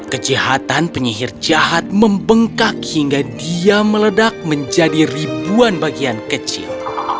kejahatan penyihir jahat membengkak hingga dia meledak menjadi ribuan bagian kecil